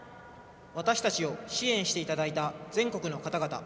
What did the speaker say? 私たちを支援していただいた全国の方々